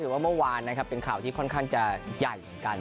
มาวันเป็นข่าวที่ค่อนข้างย่างกัน